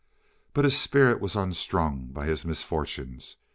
But his spirit was unstrung by his misfortunes.